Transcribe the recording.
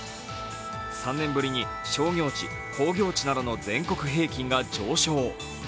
３年ぶりに商業地・工業地などの全国平均が上昇。